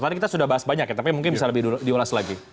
tadi kita sudah bahas banyak ya tapi mungkin bisa lebih dulu diulas lagi